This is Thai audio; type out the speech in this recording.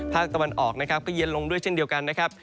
ภาคตะวันออกนะครับก็เย็นลงด้วยเช่นเดียวกันนะครับ